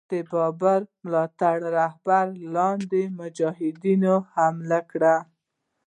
د بابړي مُلا تر رهبری لاندي مجاهدینو حملې کړې.